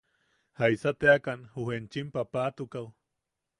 ¿Jaisa teakan ju enchim paapatukaʼu?